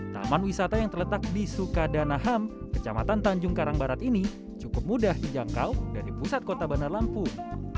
taman wisata yang terletak di sukadanaham kecamatan tanjung karangbarat ini cukup mudah dijangkau dari pusat kota bandar lampung